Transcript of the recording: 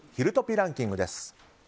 ランキングです。